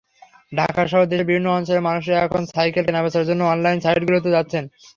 ঢাকাসহ দেশের বিভিন্ন অঞ্চলের মানুষ এখন সাইকেল কেনাবেচার জন্য অনলাইন সাইটগুলোতে যাচ্ছেন।